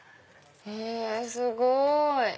へぇすごい！